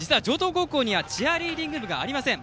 チアリーディング部がありません。